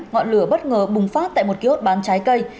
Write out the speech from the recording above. ngọn lửa bất ngờ bùng phát tại một ký ốt bán trái cây